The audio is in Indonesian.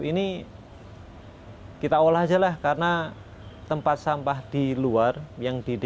ini kita olah aja lah karena tempat sampah di luar yang di dalam